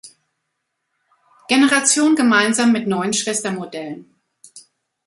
Generation gemeinsam mit neuen Schwestermodellen.